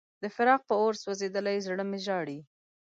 د فراق په اور سوځېدلی زړه مې ژاړي.